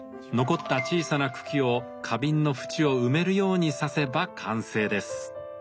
残った小さな茎を花瓶の縁を埋めるように挿せば完成です。